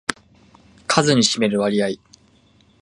数に占める割合